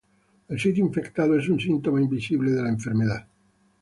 El sitio infectado es un síntoma visible de la enfermedad.